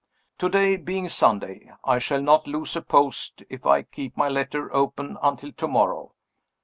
To day being Sunday, I shall not lose a post if I keep my letter open until to morrow.